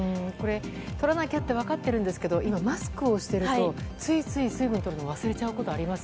とらなきゃって分かってるんですけど今マスクをしていると、ついつい水分とることを忘れちゃいます。